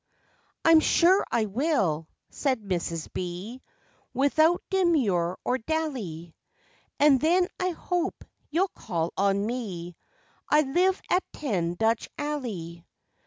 "I'm sure I will," said Mrs. B. Without demur or dally, "And then I hope you'll call on me, I live at '10 Dutch Alley.